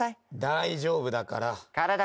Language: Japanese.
大丈夫だから。